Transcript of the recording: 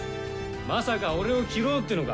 まさか俺を斬ろうっていうのか？